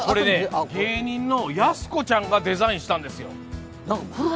芸人のやす子ちゃんが描いたんですよ。